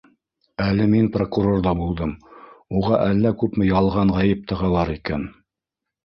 Әле мин прокурорҙа булдым: уға әллә күпме ялған ғәйеп тағалар икән!